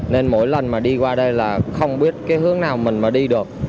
nên mỗi lần mà đi qua đây là không biết cái hướng nào mình mà đi được